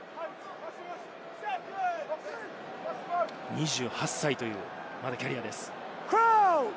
２８歳というキャリアです。